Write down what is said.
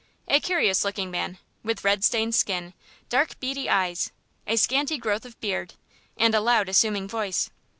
A curious looking man, with red stained skin, dark beady eyes, a scanty growth of beard, and a loud, assuming voice.